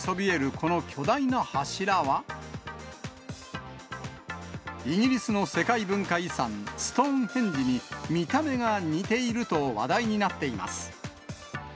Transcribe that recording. この巨大な柱は、イギリスの世界文化遺産、ストーンヘンジに見た目が似ていると話題になっています。